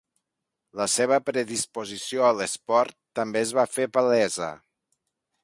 La seva predisposició a l'esport també es va fer palesa.